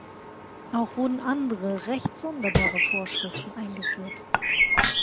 Auch wurden andere, recht sonderbare Vorschriften eingeführt.